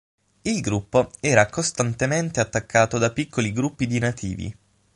Il gruppo era costantemente attaccato da piccoli gruppi di nativi.